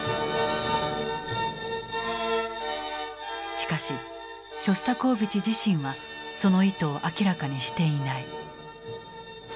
しかしショスタコーヴィチ自身はその意図を明らかにしていない。